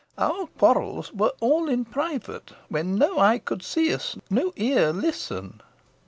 Our quarrels were all in private, when no eye could see us no ear listen."